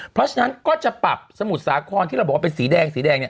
เพราะฉะนั้นก็จะปรับสมุทรสาครที่เราบอกว่าเป็นสีแดงสีแดงเนี่ย